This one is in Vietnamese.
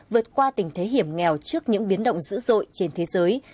vượt qua tình thế hiểm nghèo trước những biến động dữ dội trên thế giới